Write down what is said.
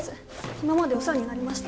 今までお世話になりました